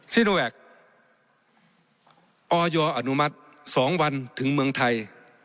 ซีโนแวคอยอนุมัติ๒วันถึงเมืองไทย